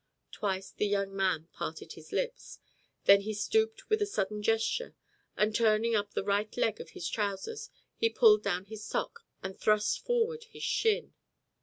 Twice the young man parted his lips. Then he stooped with a sudden gesture, and turning up the right leg of his trousers he pulled down his sock and thrust forward his shin.